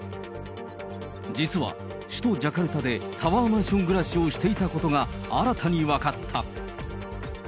実は首都ジャカルタで、タワーマンション暮らしをしていたことが新たに分かった。